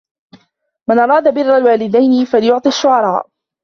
مَنْ أَرَادَ بِرَّ الْوَالِدَيْنِ فَلْيُعْطِ الشُّعَرَاءَ